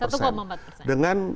satu empat persen dengan